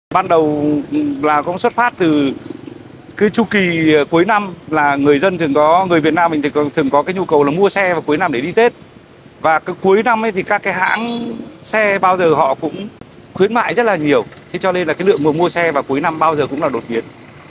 ban đầu xuất phát từ chú kỷ cuối năm người việt nam thường có nhu cầu mua xe cuối năm để đi tết cuối năm các hãng xe bao giờ cũng khuyến mại rất nhiều cho nên lượng mua xe cuối năm bao giờ cũng đột biến